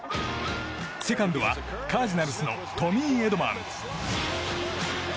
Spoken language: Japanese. セカンドはカージナルスのトミー・エドマン。